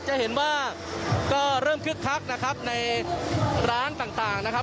จะเห็นว่าก็เริ่มคึกคักนะครับในร้านต่างนะครับ